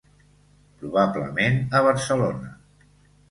Probablement a Barcelona.